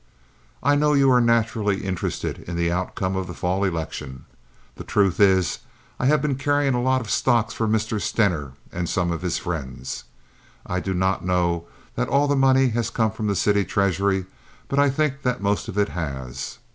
I know you are naturally interested in the outcome of the fall election. The truth is I have been carrying a lot of stocks for Mr. Stener and some of his friends. I do not know that all the money has come from the city treasury, but I think that most of it has.